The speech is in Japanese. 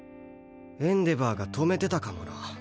エンデヴァーが止めてたかもな。